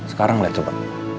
sekarang liat coba